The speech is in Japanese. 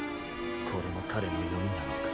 これもかれのよみなのか。